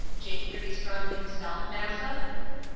Jake pretty strong himself, massa?"